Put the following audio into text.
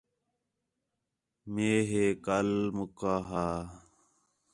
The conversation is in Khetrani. مے ہے ڳَل مُکا ہا